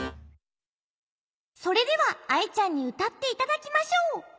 それではアイちゃんにうたっていただきましょう。